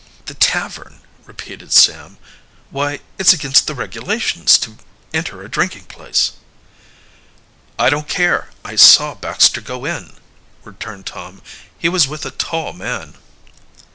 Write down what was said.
"The tavern!" repeated Sam. "Why, it's against the regulations to enter a drinking place!" "I don't care I saw Baxter go in," returned Tom. "He was with a tall man."